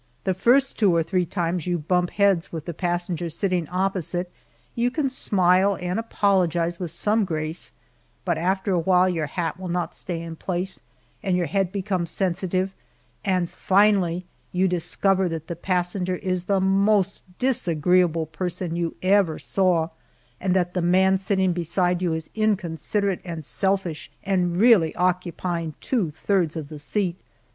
The first two or three times you bump heads with the passenger sitting opposite, you can smile and apologize with some grace, but after a while your hat will not stay in place and your head becomes sensitive, and finally, you discover that the passenger is the most disagreeable person you ever saw, and that the man sitting beside you is inconsiderate and selfish, and really occupying two thirds of the seat.